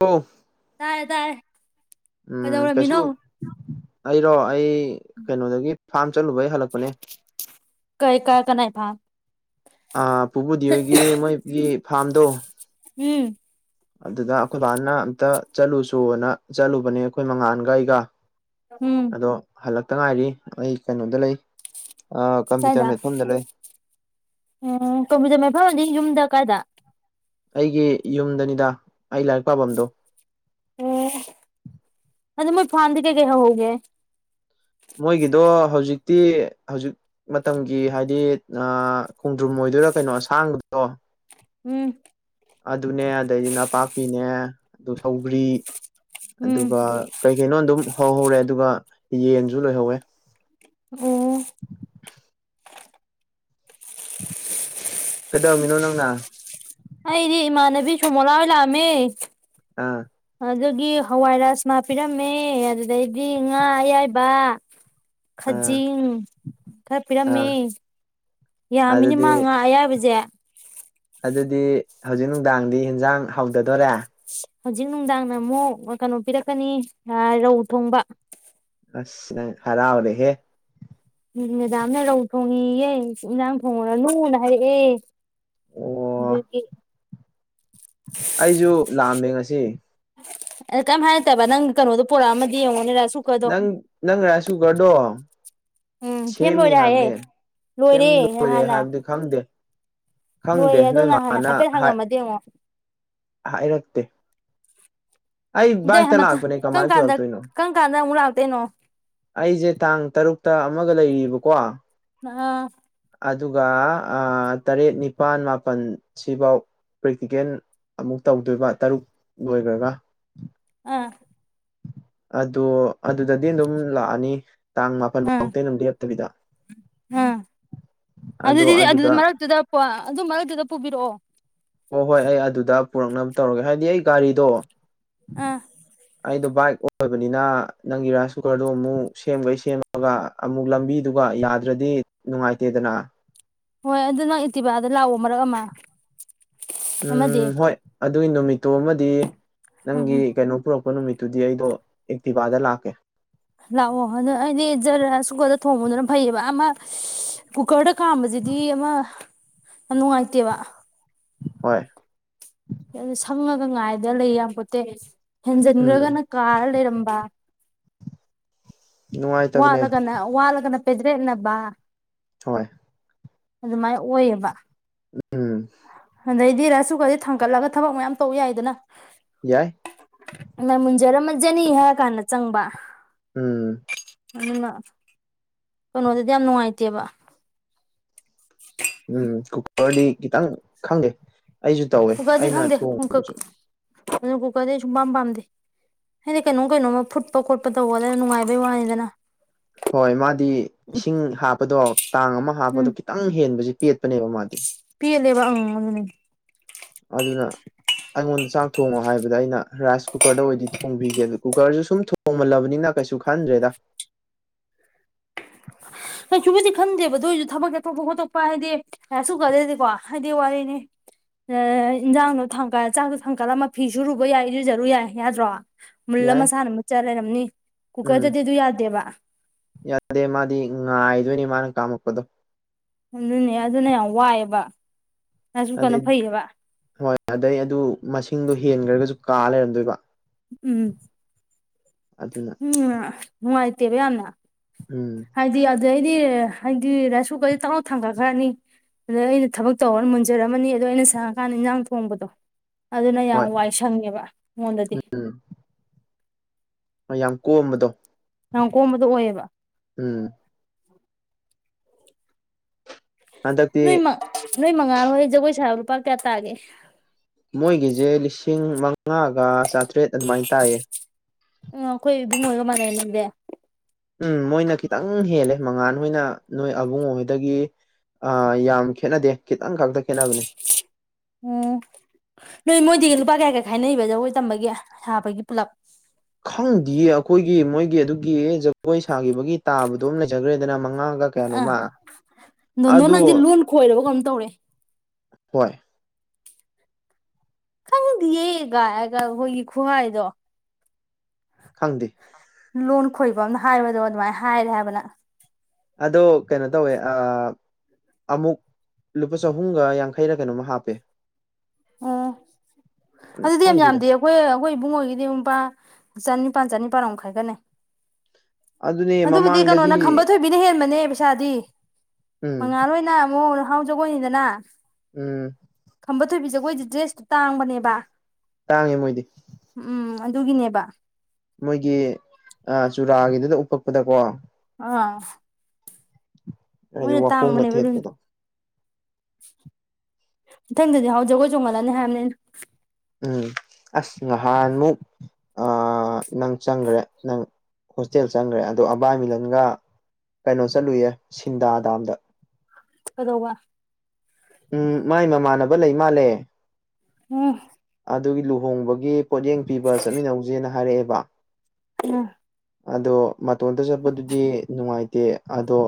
ꯑꯣ ꯇꯔꯦ ꯇꫪꯦ꯫ ꯎꯝ ꯀꯩꯁꯨ ꯑꯩꯔꯣ ꯑꯩ ꯀꯩꯅꯣꯗꯒꯤ ꯐꯥꯝ ꯆꯠꯂꯨꯕꯩ ꯍꯜꯂꯛꯄꯅꯦ꯫ ꯀꯩ ꯀꯥ ꯀꯅꯥꯏ ꯐꯥꯝ꯫ ꯑ ꯄꯨꯕꯨꯗꯤ ꯍꯣꯏꯒꯤ ꯃꯣꯏꯒꯤ ꯐꯥꯝꯗꯣ ꯎꯝ ꯑꯗꯨꯗ ꯑꯩꯈꯣꯏ ꯕꯥꯅ ꯑꯝꯇ ꯆꯠꯂꯨ ꯁꯅ ꯆꯠꯂꯨꯕꯅꯦ ꯑꯩꯈꯣꯏ ꯃꯉꯥꯥꯟꯒ ꯑꯩꯒ ꯎꯝ ꯑꯗꯣ ꯍꯜꯂꯛꯇ ꯉꯥꯏꯔꯤ ꯑꯩ ꯀꯩꯅꯣꯗ ꯂꯩ ꯁ꯭ꯋꯥꯏꯗ ꯀꯝꯄ꯭ꯌꯨꯇꯔ ꯃꯦꯠꯐꯝꯗ ꯂꯩ꯫ ꯎꯝ ꯇꯣꯝꯕꯤꯖ ꯃꯥꯏ ꯐꯥꯕꯅꯤ ꯌꯨꯝꯗ ꯀꯥꯏꯗ ꯑꯩꯒꯤ ꯌꯨꯝꯗꯅꯤꯗ ꯑꯩ ꯂꯥꯏꯔꯤꯛ ꯄꯥꯐꯝꯗꯣ ꯑꯣ ꯑꯗ ꯃ ꯐꯥꯗ ꯀꯒ ꯍꯒꯦ꯫ ꯃꯣꯏꯒꯤꯗꯣ ꯍꯧꯖꯤꯛꯇꯤ ꯍꯧꯖꯤꯛ ꯃꯇꯝꯒꯤ ꯍꯥꯏꯗꯤ ꯈꯣꯡꯗ꯭ꯔꯨꯝ ꯑꯣꯏꯗꯣꯏꯔꯥ ꯀꯩꯅꯣ ꯑꯁꯥꯡꯕꯗꯣ꯫ ꯎꯝ ꯑꯗꯨꯅꯦ ꯑꯗꯩꯗꯤ ꯅꯄꯥꯛꯄꯤꯅꯦ ꯑꯗꯨ ꯁꯒ꯭ꯔꯤ ꯎꯝ ꯑꯗꯨꯒ ꯀꯩ ꯀꯩꯅꯣ ꯑꯗꯨꯝ ꯍꯧꯍꯧꯔꯦ ꯑꯗꯨꯒ ꯌꯦꯟꯁꯨ ꯂꯣꯏꯍꯧꯋꯦ꯫ ꯑꯣ [inaudible] ꯀꯩꯗꯧꯔꯃꯤꯅꯣ ꯅꯪꯅ ꯑꯩꯗꯤ ꯏꯃꯥꯅꯕꯤ ꯁꯨꯃꯣꯂꯥꯍꯣꯏ ꯂꯥꯛꯑꯃꯦ ꯑꯥ ꯑꯗꯨꯒꯤ ꯍꯋꯥꯏꯔꯖꯃꯥ ꯄꯤꯔꯝꯃꯦ ꯑꯗꯨꯗꯩꯗꯤ ꯉꯥ ꯑꯌꯥꯏꯕ ꯑꯥ ꯈꯖꯤꯡ ꯈꯔ ꯄꯤꯔꯝꯃꯦ ꯑꯥ ꯌꯥꯝꯃꯤꯅꯤ ꯑꯗꯨꯗꯤ ꯃꯥ ꯉꯥ ꯑꯌꯥꯏꯕꯖꯦ ꯑꯗꯨꯗꯤ ꯍꯧꯖꯤꯛ ꯅꯨꯡꯗꯥꯡꯗꯤ ꯍꯦꯟꯖꯥꯡ ꯍꯥꯎꯗꯗꯣꯔꯦ ꯍꯧꯖꯤꯛ ꯅꯨꯡꯗꯥꯡꯅ ꯑꯃꯨꯛ ꯑ ꯀꯩꯅꯣ ꯄꯤꯔꯛꯀꯅꯤ ꯑꯥ ꯔꯧ ꯊꯣꯡꯕ ꯑꯁ ꯅꯪ ꯍꯔꯥꯎꯔꯦꯍꯦ ꯎꯝ ꯃꯦꯗꯥꯝꯅ ꯔꯧ ꯊꯣꯡꯉꯦꯌꯦ ꯏꯟꯖꯥꯡ ꯊꯣꯡꯉꯨꯔꯅꯨꯅ ꯍꯥꯏꯔꯛꯑꯦ ꯑꯣ ꯑꯗꯨꯀꯤ ꯑꯩꯖꯨ ꯂꯥꯑꯝꯃꯦ ꯉꯁꯤ ꯑꯗ ꯀꯩꯝ ꯍꯥꯏꯔꯛꯇꯕ ꯅꯪ ꯀꯩꯅꯣꯗꯣ ꯄꯣꯔꯥꯑꯃꯗꯤ ꯌꯦꯡꯉꯣꯅꯦ ꯔꯁꯨꯛ ꯅꯪ ꯅꯪ ꯔꯥꯏꯁꯨꯒꯔꯗꯣ ꯎꯝ ꯁꯦꯝ ꯁꯦꯝꯃꯤ ꯂꯣꯏꯔꯦ ꯍꯥꯏꯌꯦ ꯍꯥꯏꯕꯅꯦ ꯁꯦꯝ ꯂꯣꯏꯔꯦ ꯍꯥꯏꯕꯗꯤ ꯈꯪꯗꯦ ꯈꯪꯗꯦ ꯅꯣꯏ ꯃꯥꯅ ꯍꯥꯏ ꯗꯦꯉꯣ ꯍꯥꯏꯔꯛꯇꯦ ꯑꯩ ꯑꯗꯩ ꯕꯥꯏꯛꯇ ꯃꯊꯪ ꯂꯥꯛꯄꯅꯦ ꯀꯔꯝ ꯀꯃꯥꯏ ꯀꯥꯟꯗ ꯄꯨꯔꯛꯇꯣꯏꯅꯣ ꯀꯔꯝ ꯀꯥꯟꯗ ꯑꯃꯨꯛ ꯂꯥꯛꯇꯣꯏꯅꯣ ꯑꯩꯁꯦ ꯇꯥꯡ ꯇꯔꯨꯛꯇ ꯑꯃꯒ ꯂꯩꯔꯤꯕꯀꯣ ꯃꯑ ꯑꯗꯨꯒ ꯑꯥ ꯇꯔꯦꯠ ꯅꯤꯄꯥꯜ ꯃꯥꯄꯟ ꯁꯤꯕꯧ ꯄ꯭ꯔꯦꯛꯇꯤꯀꯦꯜ ꯑꯃꯨꯛ ꯇꯧꯗꯣꯏꯕ ꯇꯔꯨꯛ ꯂꯣꯏꯒ꯭ꯔꯒ ꯑꯥ ꯑꯗꯣ ꯑꯗꯨꯗꯗꯤ ꯑꯗꯨꯝ ꯂꯥꯛꯑꯅꯤ ꯇꯥꯡ ꯃꯥꯄꯜꯕꯧꯇꯤ ꯑꯗꯨꯝ ꯂꯦꯞꯇꯕꯤꯗ ꯎꯝ ꯑꯗꯣ ꯑꯗꯨꯗꯤ ꯑꯗꯨ ꯑꯗꯨꯗ ꯃꯔꯛꯇꯨꯗ [unintelligible] ꯑꯗꯨ ꯃꯔꯛꯇꯨꯗ ꯄꯨꯕꯤꯔꯛꯑꯣ ꯍꯣꯏ ꯍꯣꯏ ꯑꯩ ꯑꯗꯨꯗ ꯄꯨꯔꯛꯅꯕ ꯇꯧꯔꯒꯦ ꯍꯥꯏꯗꯤ ꯑꯩ ꯒꯥꯔꯤꯗꯣ ꯑ ꯑꯩꯗꯣ ꯕꯥꯏꯛ ꯑꯣꯏꯕꯅꯤꯅ ꯅꯪꯒꯤ ꯔꯥꯏꯁ ꯀꯨꯀꯔꯗꯣ ꯑꯃꯨꯛ ꯁꯦꯝꯒꯩ ꯁꯦꯝꯃꯒ ꯑꯃꯨꯛ ꯂꯝꯕꯤꯗꯨꯒ ꯌꯥꯗ꯭ꯔꯗꯤ ꯅꯨꯡꯉꯥꯏꯇꯦꯗꯅ ꯍꯣꯏ ꯑꯗꯨ ꯅꯪ ꯑꯦꯛꯇꯤꯚꯥꯗ ꯂꯥꯛꯑꯣ ꯃꯔꯛ ꯑꯃ ꯑꯃꯗꯤ ꯎꯝ ꯍꯣꯏ ꯑꯗꯨꯒꯤ ꯅꯨꯃꯤꯠꯇꯨ ꯑꯃꯗꯤ ꯎꯝ ꯎꯝ ꯅꯪꯒꯤ ꯀꯩꯅꯣ ꯄꯨꯔꯛ ꯄ ꯅꯨꯃꯤꯠꯇꯨꯗꯤ ꯑꯩꯗꯣ ꯑꯦꯛꯇꯤꯚꯥꯗ ꯂꯥꯛꯀꯦ ꯂꯥꯛꯑꯣ ꯑꯗꯨ ꯑꯩꯗꯤ ꯖꯔꯥꯏꯀꯨꯀꯔꯗ ꯊꯣꯡꯕꯗꯨꯅ ꯐꯩꯌꯦꯕ ꯑꯃ ꯀꯨꯀꯔꯗ ꯀꯥꯝꯕꯁꯤꯗꯤ ꯑꯃ ꯌꯥꯝ ꯅꯨꯡꯉꯥꯏꯇꯦꯕ ꯍꯣꯏ ꯁꯪꯉꯥꯒ ꯉꯥꯏꯗꯅ ꯂꯩ ꯌꯥꯄꯣꯠꯇꯦ ꯎꯝ ꯍꯦꯟꯖꯟꯒ‌꯭ꯔꯒꯅ ꯀꯥꯔ ꯂꯩꯔꯝꯕ ꯅꯨꯡꯉꯥꯏꯇꯕꯅꯦ ꯋꯥꯠꯂꯒꯅ ꯋꯥꯠꯂꯒꯅ ꯄꯦꯗ꯭ꯔꯦꯠꯅꯕꯥ ꯍꯣꯏ ꯑꯗꯨꯃꯥꯏꯅ ꯑꯣꯏꯌꯦꯕ ꯎꯝ ꯑꯗꯩꯗꯤ ꯔꯥꯏꯁ ꯀꯨꯀꯔꯖꯦ ꯊꯥꯡꯒꯠꯂꯒ ꯊꯕꯛ ꯃꯌꯥꯝ ꯇꯧ ꯌꯥꯏꯗꯅ ꯌꯥꯏ ꯑꯅ ꯃꯨꯟꯖꯔꯝꯃꯖꯅꯤ ꯍꯥꯏꯔ ꯀꯥꯟꯗ ꯆꯪꯕ ꯎꯝ ꯑꯗꯨꯅ ꯀꯩꯅꯣꯗꯗꯤ ꯌꯥꯝ ꯅꯨꯡꯉꯥꯏꯇꯦꯕ ꯎꯝ ꯀꯨꯀꯔꯗꯤ ꯈꯤꯇꯪ ꯈꯪꯗꯦ ꯑꯩꯁꯨ ꯇꯧꯋꯦ ꯑꯩꯅ ꯊꯣꯡꯕꯖꯦ [unintelligible] ꯗꯤ ꯁꯨꯝ ꯄꯥꯝ ꯄꯥꯝꯗꯦ ꯍꯥꯏꯗꯤ ꯀꯩꯅꯣꯝ ꯀꯩꯅꯣꯝꯃꯥ ꯐꯨꯠꯄ ꯈꯣꯠꯄ ꯇꯧꯕꯗꯅ ꯅꯨꯡꯉꯥꯏꯕꯩ ꯋꯥꯅꯤꯗꯅ ꯍꯣꯏ ꯃꯥꯗꯤ ꯏꯁꯤꯡ ꯍꯥꯞꯄꯗꯣ ꯇꯥꯡ ꯑꯃ ꯍꯥꯞꯄꯗꯣ ꯈꯤ ꯈꯤꯇꯪ ꯍꯦꯟꯕꯁꯤ ꯄꯦꯠꯄꯅꯦꯕ ꯃꯥꯗꯤ ꯄꯤꯠꯂꯦꯕ ꯎꯝ ꯑꯗꯨꯅꯤ ꯑꯗꯨꯅ ꯑꯩꯉꯣꯟꯗ ꯆꯥꯛ ꯊꯣꯡꯉꯣ ꯍꯥꯏꯕꯗ ꯑꯩꯅ ꯔꯥꯏꯁ ꯀꯨꯀꯔꯗ ꯑꯣꯏꯗꯤ ꯊꯣꯡꯕꯤꯒꯦ ꯑꯗꯨ ꯀꯨꯀꯔꯖꯨ ꯁꯨꯝ ꯇꯣꯡꯃꯜꯂꯕꯅꯤꯅ ꯀꯩꯁꯨ ꯈꯟꯗ꯭ꯔꯦꯗ ꯀꯩꯁꯨꯕꯨꯗꯤ ꯈꯟꯗꯦꯕ ꯑꯗꯨ ꯑꯣꯏꯁꯨ ꯊꯕꯛ ꯆꯥꯊꯣꯛꯄ ꯈꯣꯠꯇꯣꯛꯄ ꯍꯥꯏꯗꯤ ꯔꯥꯏꯁꯀꯨꯀꯥꯔ ꯗꯥꯗꯤꯀꯣ ꯍꯥꯏꯗꯤ ꯋꯥꯔꯤꯅꯤ ꯏꯟꯖꯥꯡꯗꯣ ꯊꯥꯡꯀꯠ ꯆꯥꯛꯇꯣ ꯊꯥꯡꯀꯠ ꯂꯝꯃꯥ ꯐꯤ ꯁꯨꯔꯨꯕ ꯌꯥꯏ ꯏꯔꯨꯖꯥꯔꯨ ꯌꯥꯏ ꯌꯥꯗ꯭ꯔꯣ ꯃꯨꯜ ꯌꯥꯏ ꯃꯁꯥꯟꯅ ꯃꯨꯠꯆꯥ ꯂꯩꯔꯝꯅꯤ ꯎꯝ ꯀꯨꯀꯔꯗꯗꯤ ꯑꯗꯨ ꯌꯥꯗꯦꯕ ꯌꯥꯗꯦ ꯃꯥꯗꯤ ꯉꯥꯏꯗꯣꯏꯅꯤ ꯃꯥꯅꯥ ꯀꯥꯝꯃꯛꯄꯥꯗꯣ ꯑꯗꯨꯅꯦ ꯑꯗꯨꯅ ꯌꯥꯝ ꯋꯥꯏꯑꯦꯕ ꯑꯗꯩ ꯔꯥꯏꯁꯀꯨꯀꯔꯅ ꯐꯩꯌꯦꯕ ꯍꯣꯏ ꯑꯗꯩ ꯑꯗꯨ ꯃꯁꯤꯡꯗꯣ ꯍꯦꯟꯈ꯭ꯔꯒꯁꯨ ꯀꯥ ꯂꯩꯔꯝꯗꯣꯏꯕ ꯎꯝ ꯑꯗꯨꯅ ꯎꯝ ꯅꯨꯡꯥꯏꯇꯦꯕ ꯌꯥꯝꯅ ꯎꯝ ꯍꯥꯏꯗꯤ ꯑꯗꯨꯗꯩꯗꯤ ꯍꯥꯏꯗꯤ ꯔꯥꯏꯁ ꯀꯨꯀꯔꯗꯤ ꯇꯛꯂꯥꯎꯅꯥ ꯊꯥꯡꯒꯠꯈ꯭ꯔꯅꯤ ꯑꯗꯥ ꯑꯩꯅ ꯊꯕꯛ ꯇꯧꯔꯒ ꯃꯨꯟꯖꯔꯝꯃꯅꯤ ꯑꯗꯣ ꯑꯩꯅ ꯁꯪꯉꯥꯀꯥꯟꯗ ꯏꯟꯖꯥꯡ ꯊꯣꯡꯕꯗꯣ ꯑꯗꯨꯅ ꯌꯥꯝ ꯍꯣꯏ ꯋꯥꯏ ꯁꯪꯉꯦꯕ ꯑꯩꯉꯣꯟꯗꯗꯤ ꯍꯣꯏ ꯌꯥꯝ ꯀꯣꯝꯕꯗꯣ ꯌꯥꯝ ꯀꯣꯝꯕꯗꯣ ꯑꯣꯏꯌꯦꯕ ꯎꯝ ꯅꯣꯏ ꯍꯟꯗꯛꯇꯤ ꯃꯥ ꯅꯣꯏ ꯃꯉꯥꯜ ꯍꯣꯏ ꯖꯒꯣꯏ ꯁꯥꯕ ꯂꯨꯄꯥ ꯀꯌꯥ ꯇꯥꯒꯦ ꯃꯣꯏꯒꯤꯁꯦ ꯂꯤꯁꯤꯡ ꯃꯉꯥꯒ ꯆꯥꯇ꯭ꯔꯦꯠ ꯑꯗꯨꯃꯥꯏꯅ ꯇꯥꯏꯌꯦ ꯎꯝ ꯑꯈꯣꯏ ꯏꯕꯨꯡꯑꯣ ꯍꯣꯏꯒꯥ ꯃꯥꯟꯅꯩꯅꯦ ꯑꯗꯨꯗꯤ ꯎꯝ ꯃꯣꯏꯅ ꯈꯤꯇꯪ ꯍꯦꯜꯂꯦ ꯃꯉꯥꯥꯟ ꯍꯣꯏꯅ ꯅꯣꯏ ꯑꯕꯨꯡꯉꯣ ꯍꯣꯏꯗꯒꯤ ꯑꯥ ꯌꯥꯝ ꯈꯦꯠꯅꯗꯦ ꯈꯤꯇꯪ ꯈꯛꯇꯥ ꯈꯦꯠꯅꯕꯅꯦ ꯎꯝ ꯅꯣꯏ ꯃꯣꯏꯗꯤ ꯂꯨꯄꯥ ꯀꯌꯥ ꯀꯌꯥ ꯈꯥꯏꯅꯩꯕ ꯖꯒꯣꯏ ꯇꯝꯕꯒꯤ ꯁꯥꯕꯒꯤ ꯄꯨꯂꯞ ꯈꯪꯗꯤꯌꯦ ꯑꯈꯣꯏꯒꯤ ꯃꯣꯏꯒꯤ ꯑꯗꯨꯒꯤ ꯖꯒꯣꯏ ꯁꯥꯈꯤꯕꯒꯤ ꯇꯥꯕꯗꯣ ꯑꯃꯥ ꯂꯩꯖꯈ꯭ꯔꯦꯗꯅ ꯃꯡꯉꯥ ꯑꯥ ꯗꯣꯟ ꯗꯣꯟ ꯅꯪꯗꯤ ꯑꯗꯣ ꯂꯣꯟ ꯈꯣꯏꯔꯕ ꯀꯩꯅꯣꯝ ꯇꯧꯔꯦ ꯍꯣꯏ ꯈꯪꯗꯤꯌꯦꯒꯥ ꯍꯥꯏꯔꯒꯥ ꯑꯈꯣꯏꯒꯤ ꯈꯨꯍꯥꯏꯗꯣ ꯈꯪꯗꯦ ꯂꯣꯟ ꯈꯣꯏꯕ ꯑꯃꯅ ꯍꯥꯏꯕꯗꯣ ꯑꯗꯨꯃꯥꯏꯅ ꯍꯥꯏꯔꯦ ꯍꯥꯏꯕ ꯅꯪ ꯑꯗꯣ ꯀꯩꯅꯣ ꯇꯧꯋꯦ ꯑꯥ ꯑꯃꯨꯛ ꯂꯨꯄꯥ ꯆꯍꯨꯝꯒꯥ ꯌꯥꯡꯈꯩꯔꯥ ꯀꯩꯅꯣꯃ ꯍꯥꯞꯄꯦ ꯑꯣ ꯑꯗꯨꯗꯤ ꯌꯥꯝ ꯈꯪꯗꯦꯗ ꯌꯥꯝꯗꯦ ꯍꯣꯏ ꯑꯩꯈꯣꯏ ꯏꯕꯨꯡꯉꯣꯏꯒꯤꯗꯤ ꯂꯨꯄꯥ ꯆꯅꯤꯄꯥꯥꯟ ꯆꯅꯤꯄꯥꯟꯃꯨꯛ ꯈꯥꯏꯒꯠꯅꯩ ꯑꯗꯨꯅꯦ ꯑꯗꯨꯕꯨꯗꯤ ꯀꯩꯅꯣꯅ ꯃꯃꯥꯡꯗꯗꯤ ꯈꯝꯕ ꯊꯣꯏꯕꯤꯅ ꯍꯦꯟꯕꯅꯦ ꯄꯩꯁꯥꯗꯤ ꯎꯝ ꯃꯉꯥꯜꯍꯣꯏꯅ ꯑꯃꯨꯛ ꯍꯥꯎ ꯖꯒꯣꯏꯅꯤꯗꯅ ꯎꯝ ꯈꯝꯕ ꯊꯣꯏꯕꯤ ꯖꯒꯣꯏꯖꯦ ꯗ꯭ꯔꯦꯁꯇꯤ ꯇꯥꯡꯕꯅꯦꯕ ꯇꯥꯡꯉꯦ ꯃꯣꯏꯗꯤ ꯎꯝ ꯑꯗꯨꯒꯤꯅꯦꯕ ꯃꯣꯏꯒꯤ ꯑꯥ ꯆꯨꯔꯥꯒꯤꯗꯨꯗ ꯎꯞꯄꯛꯄꯗꯀꯣ ꯑꯥ ꯍꯥꯏꯗꯤ ꯃꯣꯏꯅ ꯋꯥꯈꯣꯡꯒ ꯇꯥꯡꯕꯅꯦꯕ ꯑꯗꯨꯒꯤ ꯊꯦꯠꯄꯗꯣ ꯏꯊꯪꯗꯗꯤ ꯍꯥꯎ ꯖꯒꯣꯏ ꯆꯣꯡꯉꯜꯂꯅꯤ ꯍꯥꯏꯕꯅꯦ ꯑꯩꯅ ꯎꯝ ꯑꯁ ꯉꯍꯥꯟꯃꯨꯛ- - - ꯅꯪ ꯆꯪꯈ꯭ꯔꯦ ꯅꯪ ꯍꯣꯁꯇꯦꯜ ꯆꯪꯈ꯭ꯔꯦ ꯑꯗꯣ ꯑꯕꯥꯏ ꯃꯤꯂꯟꯒ꯫ ꯀꯩꯅꯣ ꯆꯠꯂꯨꯏꯌꯦ ꯁꯤꯟꯗꯥꯗꯥꯝꯗ꯫ ꯀꯗꯧꯕ꯫ ꯎꯝ ꯃꯥꯏ ꯃꯃꯥꯟꯅꯕ ꯂꯩꯃꯥꯜꯂꯦ꯫ ꯎꯝ꯫ ꯑꯗꯨꯒꯤ ꯂꯨꯍꯣꯡꯕꯒꯤ ꯄꯣꯠꯌꯦꯡ ꯄꯤꯕ ꯆꯠꯃꯤꯟꯅꯧꯁꯦꯅ ꯍꯥꯏꯔꯛꯑꯦꯕ꯫ ꯎꯝ꯫ ꯑꯗꯣ ꯃꯇꯣꯟꯇ ꯆꯠꯄꯗꯨꯗꯤ ꯅꯨꯡꯉꯥꯏꯇꯦ꯫ ꯑꯗꯣ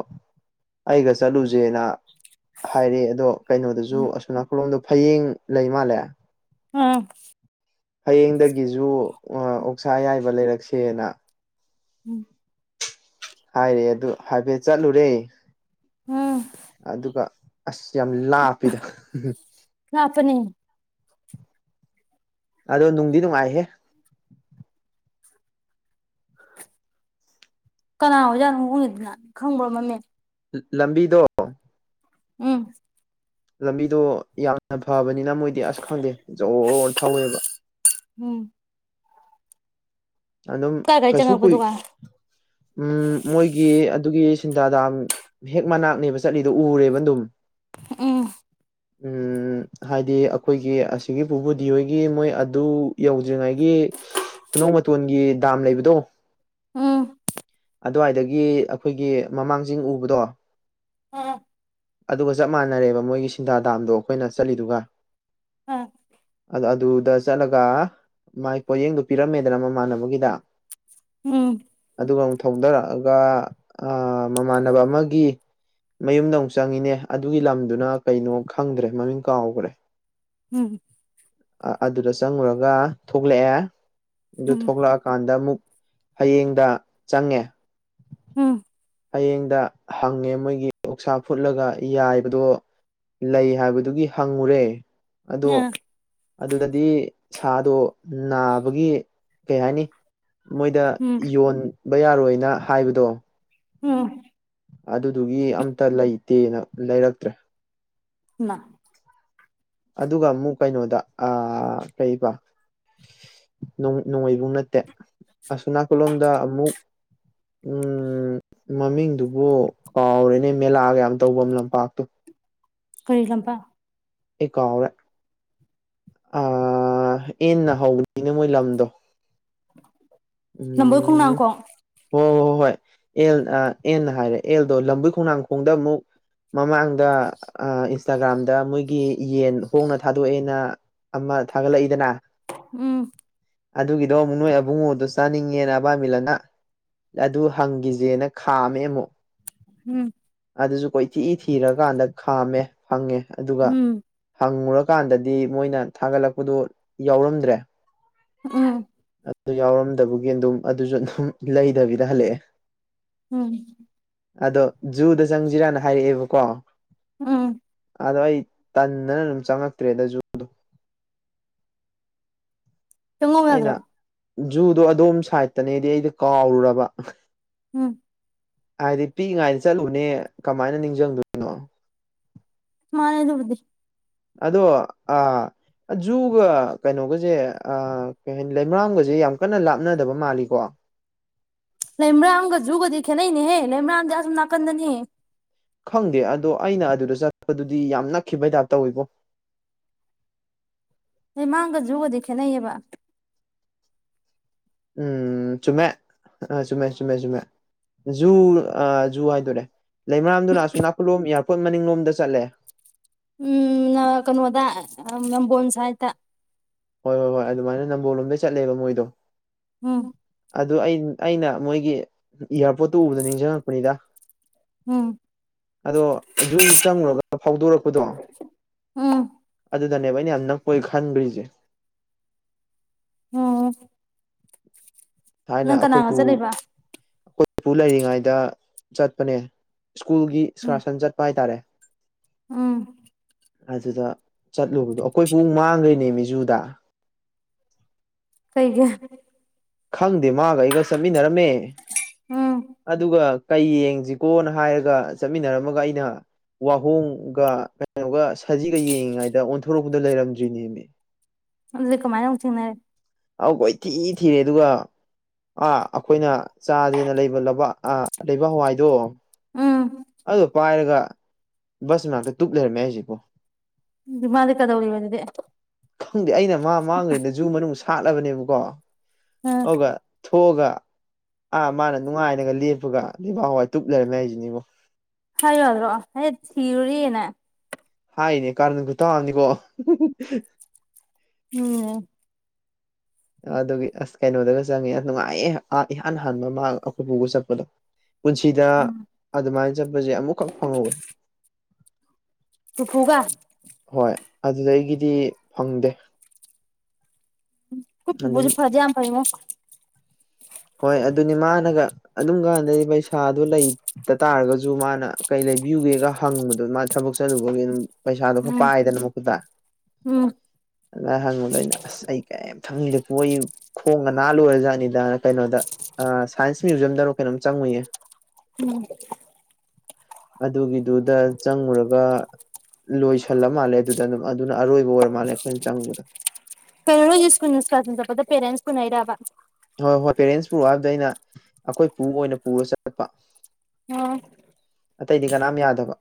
ꯑꯩꯒ ꯆꯠꯂꯨꯁꯦꯅ ꯫ ꯍꯥꯏꯔꯦ ꯑꯗꯣ ꯀꯩꯅꯣꯗꯁꯨ ꯎꯝ ꯑꯁꯣꯅꯥꯀꯜꯂꯣꯝꯗꯣ ꯐꯌꯦꯡ ꯂꯩꯃꯥꯜꯂꯦ꯫ ꯎꯝ꯫ ꯐꯌꯦꯡꯗꯒꯤꯁꯨ ꯑꯣꯛꯁꯥ ꯑꯌꯥꯏꯕ ꯂꯩꯔꯛꯁꯦꯅ꯫ ꯎꯝ꯫ ꯍꯥꯏꯔꯦ ꯑꯗꯨ ꯍꯥꯏꯐꯦꯠ ꯆꯠꯂꯨꯔꯦ ꯎꯝ ꯑꯗꯨꯒ ꯑꯁ ꯌꯥꯝ ꯂꯥꯛꯞꯄꯤꯗ꯫ ꯂꯞꯄꯥꯅꯦ꯫ ꯑꯗꯣ ꯅꯨꯡꯗꯤ ꯅꯨꯡꯉꯥꯏꯍꯦ꯫ ꯀꯅꯥ ꯑꯣꯖꯥꯠꯅ ꯍꯣꯡꯉꯤꯗꯨꯅ ꯈꯪꯕ꯭ꯔ ꯃꯃꯤꯡ ꯂꯝꯕꯤꯗꯣ꯫ ꯎꯝ꯫ ꯂꯝꯕꯤꯗꯣ ꯌꯥꯝꯅ ꯐꯕꯅꯤꯅ ꯃꯣꯏꯗꯤ ꯑꯁ ꯈꯪꯗꯦ ꯖꯣꯔ ꯊꯧꯋꯦꯕ꯫ ꯎꯝ꯫ ꯑꯗꯨꯝ ꯀꯥꯏ ꯀꯥꯏ ꯀꯩꯁꯨ ꯆꯪꯉꯛꯄ ꯀꯨꯏ ꯗꯨꯀꯥꯟ ꯎꯝ ꯃꯣꯏꯒꯤ ꯑꯗꯨꯒꯤ ꯁꯤꯟꯗꯥꯗꯥꯝ꯫ ꯍꯦꯛ ꯃꯅꯥꯛꯅꯦꯕ ꯆꯠꯂꯤꯗꯣ ꯎꯔꯦꯕ ꯑꯗꯨꯝ ꯎꯝ꯫ ꯎꯝ꯫ ꯍꯥꯏꯗꯤ ꯑꯩꯈꯣꯏꯒꯤ ꯑꯁꯤꯒꯤ ꯄꯨꯕꯨꯗꯤ ꯍꯣꯏꯒꯤ ꯃꯣꯏ ꯑꯗꯨ ꯌꯧꯗ꯭ꯔꯤꯉꯩꯒꯤ꯫ ꯈꯨꯅꯧ ꯃꯇꯣꯟꯒꯤ ꯗꯥꯝ ꯂꯩꯕꯗꯣ꯫ ꯎꯝ꯫ ꯑꯗꯨꯋꯥꯏꯗꯒꯤ ꯑꯩꯈꯣꯏꯒꯤ ꯃꯃꯥꯡꯆꯤꯡ ꯎꯕꯗꯣ꯫ ꯎꯝ꯫ ꯑꯗꯨꯒ ꯆꯞ ꯃꯥꯟꯅꯔꯦꯕ ꯃꯣꯏꯒꯤ ꯁꯤꯟꯗꯥꯗꯥꯝꯗꯣ ꯑꯩꯈꯣꯏꯅ ꯆꯠꯂꯤꯗꯨꯒ꯫ ꯎꯝ꯫ ꯑꯗꯨ ꯑꯗꯨꯗ ꯆꯠꯂꯒ ꯃꯥꯏ ꯄꯣꯠꯌꯦꯡꯗꯨ ꯄꯤꯔꯝꯃꯦꯗꯅ ꯃꯃꯥꯟꯅꯕꯒꯤꯗ꯫ ꯎꯝ꯫ ꯑꯗꯨꯒ ꯑꯃꯨꯛ ꯊꯧꯗꯔꯛꯑꯒ ꯑꯥ ꯃꯃꯥꯟꯅꯕ ꯑꯃꯒꯤ ꯃꯌꯨꯝꯗ ꯑꯃꯨꯛ ꯆꯪꯉꯤꯅꯦ ꯑꯗꯨꯒꯤ ꯂꯝꯗꯨꯅ ꯀꯩꯅꯣ ꯈꯪꯗ꯭ꯔꯦ ꯃꯃꯤꯡ ꯀꯥꯎꯈ꯭ꯔꯦ꯫ ꯎꯝ꯫ ꯑꯗꯨꯗ ꯆꯪꯉꯨꯔꯒ ꯊꯣꯛꯂꯛꯑꯦ꯫ ꯑꯗꯨ ꯎꯝ ꯊꯣꯛꯂꯛꯑꯀꯥꯟꯗ ꯑꯃꯨꯛ ꯐꯌꯦꯡꯗ ꯆꯪꯉꯦ꯫ ꯎꯝ ꯐꯌꯦꯡꯗ ꯍꯪꯉꯦ ꯃꯣꯏꯒꯤ ꯎꯁꯥ ꯐꯨꯠꯂꯒ ꯌꯥꯏꯕꯗꯣ ꯂꯩ ꯍꯥꯏꯕꯗꯨꯒꯤ ꯍꯪꯉꯨ꯭ꯔꯦ꯫ ꯑꯗꯣ ꯑꯥ ꯑꯗꯨꯗꯗꯤ ꯁꯥꯗꯣ ꯅꯥꯕꯒꯤ ꯀꯩ ꯍꯥꯏꯅꯤ꯫ ꯃꯣꯏꯗ ꯎꯝ ꯌꯣꯟꯕ ꯌꯥꯔꯣꯏꯅ ꯍꯥꯏꯕꯗꯣ꯫ ꯎꯝ꯫ ꯑꯗꯨꯗꯨꯒꯤ ꯑꯝꯇ ꯂꯩꯇꯦꯅ ꯂꯩꯔꯛꯇ꯭ꯔꯦ꯫ ꯃ ꯑꯗꯨꯒ ꯑꯃꯨꯛ ꯀꯩꯅꯣꯗ ꯀꯩꯕ ꯅꯣꯡꯃꯩꯕꯨꯡ ꯅꯠꯇꯦ ꯑꯁꯣ ꯅꯥꯀꯜꯂꯣꯝꯗ ꯑꯃꯨꯛ ꯎꯝ ꯃꯃꯤꯡꯗꯨꯕꯨ ꯀꯥꯎꯔꯦꯅꯦ ꯃꯦꯂꯥꯒ ꯌꯥꯝ ꯇꯧꯕꯝ ꯂꯝꯄꯥꯛꯇꯣ ꯀꯔꯤ ꯂꯝꯄꯥ ꯑꯩ ꯀꯥꯎꯔꯦ ꯑꯦꯟꯅ ꯍꯧꯕꯅꯤꯅꯦ ꯃꯣꯏ ꯂꯝꯗꯣ ꯂꯝꯕꯣꯏ ꯎꯝ ꯈꯣꯡꯅꯥꯡ ꯈꯣꯡ ꯍꯣꯏ ꯍꯣꯏ ꯍꯣꯏ ꯍꯣꯏ ꯑꯦꯜ ꯑꯦꯟꯅ ꯍꯥꯏꯔꯦ ꯑꯦꯜꯗꯣ ꯂꯝꯕꯣꯏ ꯈꯣꯡꯅꯥꯡꯈꯣꯡꯗ ꯑꯃꯨꯛ ꯃꯃꯥꯡꯗ ꯏꯟꯁꯇꯥꯒ꯭ꯔꯥꯝꯗ ꯃꯣꯏꯒꯤ ꯌꯦꯟ ꯍꯣꯡꯅ ꯊꯥꯗꯣꯛꯑꯦꯅ ꯑꯃ ꯊꯥꯒꯠꯂꯛꯏꯗꯅ ꯎꯝ ꯑꯗꯨꯒꯤꯗꯣ ꯑꯃꯨꯛ ꯅꯣꯏ ꯑꯕꯨꯡꯉꯣꯗ ꯆꯥꯅꯤꯡꯉꯦꯅ ꯕꯥꯏꯃꯤꯂꯟꯅ ꯑꯗꯨ ꯍꯪꯒꯤꯁꯦꯅ ꯈꯥꯝꯃꯦ ꯑꯃꯨꯛ ꯎꯝ ꯑꯗꯨꯁꯨ ꯀꯣꯏꯊꯤ ꯊꯤꯔꯀꯥꯟꯗ ꯈꯥꯝꯃꯦ ꯐꯪꯉꯦ ꯑꯗꯨꯒ ꯎꯝ ꯍꯪꯉꯨꯔꯀꯥꯟꯗꯗꯤ ꯃꯣꯏꯅ ꯊꯥꯒꯠꯂꯛꯄꯗꯨ ꯌꯥꯎꯔꯝꯗ꯭ꯔꯦ ꯎꯝ ꯑꯗꯨ ꯌꯥꯎꯔꯝꯗꯕꯒꯤ ꯑꯗꯨꯝ ꯑꯗꯨꯁꯨ ꯑꯗꯨꯝ ꯂꯩꯗꯕꯤꯗ ꯍꯜꯂꯛꯑꯦ ꯎꯝ ꯑꯗꯣ ꯖꯨꯗ ꯆꯪꯁꯤꯔꯅ ꯍꯥꯏꯔꯛꯑꯦꯕꯀꯣ ꯎꯝ ꯑꯗꯣ ꯑꯩ ꯇꯟꯗꯅ ꯑꯗꯨꯝ ꯆꯪꯉꯛꯇ꯭ꯔꯦꯗ ꯖꯨꯗꯣ ꯆꯪꯉꯧ ꯌꯥꯗ꯭ꯔꯣ ꯑꯩꯅ ꯖꯨꯗꯣ ꯑꯗꯣꯝ ꯁꯥꯏꯠꯇꯅꯦꯗꯤ ꯑꯩꯗ ꯀꯥꯎꯔꯨꯔꯕ ꯎꯝ ꯍꯥꯏꯗꯤ ꯄꯤꯛꯏꯉꯥꯏꯅ ꯆꯠꯂꯨꯅꯦ ꯀꯃꯥꯏꯅ ꯅꯤꯡꯁꯤꯡꯗꯣꯏꯅꯣ ꯃꯥꯅꯦ ꯑꯗꯨꯕꯨꯗꯤ ꯑꯗꯣ ꯑ ꯖꯨꯒ ꯀꯩꯅꯣꯒꯁꯦ ꯑꯥ ꯀꯩ ꯍꯥꯏꯅꯤ ꯂꯩꯃꯔ꯭ꯔꯥꯝꯒꯁꯦ ꯌꯥꯝ ꯀꯟꯅ ꯂꯥꯞꯅꯗꯕ ꯃꯥꯜꯂꯤꯀꯣ ꯂꯩꯃ꯭ꯔꯥꯒ ꯖꯨꯒꯗꯤ ꯈꯦꯠꯅꯩꯅꯦꯍꯦ ꯂꯩꯃ꯭ꯔꯥꯗꯤ ꯑꯁꯨꯝ ꯅꯥꯀꯟꯗꯅꯤ ꯈꯪꯗꯦ ꯑꯗꯣ ꯑꯩꯅ ꯑꯗꯨꯗ ꯆꯠꯄꯗꯨꯗꯤ ꯌꯥꯝ ꯅꯛꯈꯤꯕꯩ ꯇꯥꯏꯞ ꯇꯧꯋꯕꯣ ꯂꯩꯃꯔꯝꯒ ꯖꯨꯒꯗꯤ ꯈꯦꯠꯅꯩꯌꯦꯕ ꯎꯝ ꯆꯨꯝꯃꯦ ꯑ ꯆꯨꯝꯃꯦ ꯆꯨꯝꯃꯦ ꯆꯨꯝꯃꯦ ꯖꯨ ꯑ ꯖꯨ ꯍꯥꯏꯗꯣꯔꯦ ꯂꯩꯃꯔꯥꯝꯗꯨꯅ ꯑꯁꯨ ꯅꯥꯀꯜꯂꯣꯝ ꯏꯌꯥꯔꯄꯣꯔꯠ ꯃꯅꯤꯡꯂꯣꯝꯗ ꯆꯠꯂꯦ ꯎꯝ ꯀꯩꯅꯣꯗ ꯅꯝꯕꯣꯟ ꯁꯥꯏꯗ ꯍꯣꯏ ꯍꯣꯏ ꯍꯣꯏ ꯑꯗꯨꯃꯥꯏꯅ ꯅꯝꯕꯣꯜꯂꯣꯝꯗꯩ ꯆꯠꯂꯦꯕ ꯃꯣꯏꯗꯣ ꯎꯝ ꯑꯗꯨ ꯑꯩꯅ ꯃꯣꯏꯒꯤ ꯏꯌꯥꯔꯄꯣꯔꯠꯇꯨ ꯎꯕꯗ ꯅꯤꯡꯁꯤꯡꯉꯛꯄꯅꯤꯗ ꯎꯝ ꯑꯗꯣ ꯖꯨ ꯆꯪꯉꯨꯔꯒ ꯐꯥꯎꯗꯣꯔꯛꯄꯗꯣ ꯎꯝ ꯑꯗꯨꯗꯅꯦꯕ ꯑꯩꯅ ꯌꯥꯝ ꯅꯛꯄꯣꯏ ꯈꯟꯒ꯭ꯔꯤꯁꯦ ꯑꯣ ꯊꯥꯏꯅ ꯑꯈꯣꯏ ꯄꯨ ꯆꯠꯂꯤꯕ ꯑꯈꯣꯏ ꯄꯨ ꯂꯩꯔꯤꯉꯩꯗ ꯆꯠꯄꯅꯦ ꯁ꯭ꯀꯨꯜꯒꯤ ꯎꯝ ꯏꯁꯀꯔꯁꯟ ꯆꯠꯄ ꯍꯥꯏꯇꯥꯔꯦ ꯎꯝ ꯑꯗꯨꯗ ꯆꯠꯂꯨꯕꯗꯣ ꯑꯈꯣꯏ ꯄꯨ ꯃꯥꯡꯒ꯭ꯔꯤꯅꯦꯃꯤ ꯖꯨꯗ ꯀꯩꯒꯤ ꯈꯪꯗꯦ ꯃꯥꯒ ꯑꯩꯒ ꯆꯠꯃꯤꯟꯅꯔꯝꯃꯦ ꯎꯝ ꯑꯗꯨꯒ ꯀꯩ ꯌꯦꯡꯁꯤꯀꯣꯅ ꯍꯥꯏꯔꯒ ꯆꯠꯃꯤꯟꯅꯔꯝꯃꯒ ꯑꯩꯅ ꯋꯥꯍꯣꯡꯒ ꯀꯩꯅꯣꯒ ꯁꯖꯤꯒ ꯌꯦꯡꯉꯤꯉꯩꯗ ꯑꯣꯟꯊꯣꯔꯛꯄꯗ ꯂꯩꯔꯝꯗ꯭ꯔꯤꯅꯦꯃꯤ ꯑꯗꯨꯗꯤ ꯀꯃꯥꯏꯅ ꯑꯃꯨꯛ ꯊꯦꯡꯅꯔꯦ ꯑꯧ ꯀꯣꯏꯊꯤ ꯊꯤꯔꯦ ꯑꯗꯨꯒ ꯑꯥ ꯑꯈꯣꯏꯅ ꯆꯥꯁꯦꯅ ꯂꯩꯕ ꯑꯥ ꯂꯩꯕꯥꯛ ꯍꯋꯥꯏꯗꯣ ꯎꯝ ꯑꯗꯨꯗꯣ ꯄꯥꯏꯔꯒ ꯕꯁ ꯃꯅꯥꯛꯇ ꯇꯨꯞ ꯂꯩꯔꯝꯃꯦ ꯍꯥꯏꯁꯤꯕꯣ ꯑꯗꯨ ꯃꯥꯗꯤ ꯀꯩꯗꯧꯔꯤꯕ ꯑꯗꯨꯗꯤ ꯈꯪꯗꯦ ꯑꯩꯅ ꯃꯥ ꯃꯥꯡꯒ꯭ꯔꯦꯅ ꯖꯨ ꯃꯅꯨꯡ ꯁꯥꯠꯂꯕꯅꯦꯕꯀꯣ ꯎꯝ ꯑꯗꯨꯒ ꯊꯣꯛꯑꯒ ꯑꯥ ꯃꯥꯅ ꯅꯨꯡꯉꯥꯏꯅꯒ ꯂꯦꯞꯄꯒ ꯂꯩꯕꯥꯥꯛ ꯍꯋꯥꯏ ꯇꯨꯞ ꯂꯩꯔꯝꯃꯦ ꯍꯥꯏꯁꯤꯅꯤꯕꯣ ꯍꯥꯏꯌꯨ ꯌꯥꯗ꯭ꯔꯣ [unintelligible] ꯊꯤꯔꯨꯔꯤ ꯑꯅ ꯍꯥꯏꯅꯦ ꯀꯔꯟ ꯈꯨꯇꯥ ꯑꯝꯅꯤꯀꯣ ꯎꯝ ꯑꯗꯨꯒꯤ ꯑꯁ ꯀꯩꯅꯣꯗꯒ ꯆꯪꯉꯦ ꯑꯁ ꯅꯨꯡꯉꯥꯏꯌꯦ ꯏꯍꯥꯟ ꯍꯥꯟꯕ ꯃꯥ ꯑꯩꯈꯣꯏ ꯄꯨꯒ ꯆꯠꯄꯗꯣ ꯄꯨꯟꯁꯤꯗ ꯎꯝ ꯑꯗꯨꯃꯥꯏ ꯆꯠꯄꯁꯦ ꯑꯃꯨꯛꯈꯛ ꯐꯪꯍꯧꯋꯤ ꯄꯨꯄꯨꯒ ꯍꯣꯏ ꯑꯗꯨꯗꯒꯤꯗꯤ ꯐꯪꯗꯦ ꯈꯣꯏ ꯑꯗꯨꯝ ꯄꯨꯄꯨꯁꯦ ꯐꯗꯤ ꯌꯥꯝ ꯐꯩꯉꯣ ꯍꯣꯏ ꯑꯗꯨꯅꯤ ꯃꯥꯅꯒ ꯑꯗꯨꯝ ꯀꯥꯟꯗꯗꯤ ꯄꯩꯁꯥꯗꯨ ꯂꯩ ꯇ ꯇꯥꯔꯒꯁꯨ ꯃꯥꯅ ꯀꯩ ꯂꯩꯕꯤꯌꯨꯒꯦꯒ ꯍꯪꯕꯗꯣ ꯃꯥ ꯊꯕꯛ ꯆꯠꯂꯨꯕꯒꯤ ꯑꯗꯨꯝ ꯄꯩꯁꯥꯗꯨꯣ ꯈꯔ ꯎꯝ ꯄꯥꯏꯗꯅ ꯃꯈꯨꯠꯗ ꯎꯝ ꯑꯗꯨꯗ ꯍꯪꯕꯗ ꯑꯩꯅ ꯑꯁ ꯑꯩ ꯀꯔꯤꯝ ꯈꯪꯗꯦ ꯄꯨ ꯑꯩ ꯈꯣꯡꯒ ꯅꯥ ꯂꯣꯏꯔꯖꯥꯠꯅꯤꯗꯅ ꯀꯩꯅꯣꯗ ꯑꯥ ꯁꯥꯏꯟꯁ ꯃ꯭ꯌꯨꯖꯤꯌꯝꯗꯔ ꯀꯩꯅꯣ ꯆꯪꯉꯨꯏꯌꯦ ꯎꯝ ꯑꯗꯨꯒꯤꯗꯨꯗ ꯆꯪꯉꯨꯔꯒ ꯂꯣꯏꯁꯜꯂ ꯃꯥꯜꯂꯦ ꯑꯗꯨꯗ ꯑꯗꯨꯝ ꯑꯗꯨꯅ ꯑꯔꯣꯏꯕ ꯑꯣꯏꯔ ꯃꯥꯜꯂꯦ ꯑꯩꯈꯣꯏꯅ ꯆꯪꯕꯗ ꯀꯩꯅꯣ ꯅꯣꯏꯁꯦ ꯁ꯭ꯀꯨꯟ ꯑꯦꯛꯁꯀꯥꯔꯁꯟ ꯆꯠꯄꯗ ꯄꯦꯔꯦꯟꯁ ꯄꯨꯅꯩꯔꯕ ꯍꯣꯏ ꯍꯣꯏ ꯄꯦꯔꯦꯟꯁ ꯄꯨꯔꯛꯑꯣ ꯍꯥꯏꯕꯗ ꯑꯩꯅ ꯑꯈꯣꯏ ꯄꯨ ꯑꯣꯏꯅ ꯄꯨꯔ ꯆꯠꯄ ꯑꯣ ꯑꯇꯩꯗꯤ ꯀꯅꯥꯝ ꯌꯥꯗꯕ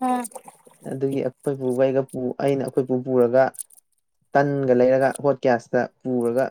ꯑꯥ ꯑꯗꯨꯒꯤ ꯑꯩꯈꯣꯏ ꯄꯨꯒ ꯑꯩꯒ ꯑꯩꯅ ꯑꯩꯈꯣꯏꯄꯨ ꯄꯨꯔꯒ ꯇꯟꯒ ꯂꯩꯔꯒ ꯍꯣꯠ ꯒ꯭ꯌꯥꯁꯇ ꯄꯨꯔꯒ